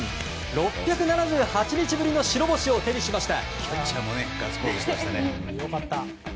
６７８日ぶりの白星を手にしました。